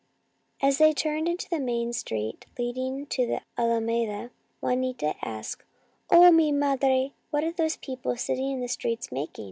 As they turned into the main street leading to the Alameda, Juanita asked, " Oh, mi madre, what are those people sitting in the streets making